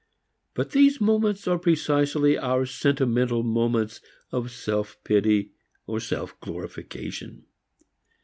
But these moments are precisely our sentimental moments of self pity or self glorification.